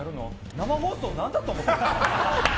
生放送なんだと思ってるの。